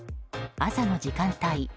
朝の時間帯